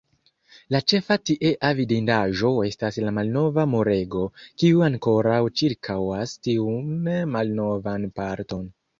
La ĉefa tiea vidindaĵo estas la malnova Murego, kiu ankoraŭ ĉirkaŭas tiun malnovan parton.